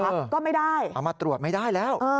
ก็ไม่ได้เอามาตรวจไม่ได้แล้ว